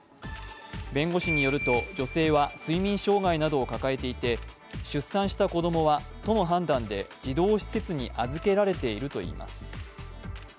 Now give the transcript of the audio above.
弁護士によると女性は睡眠障害などを抱えていて出産した子供は都の判断で児童施設に預けられているといいます。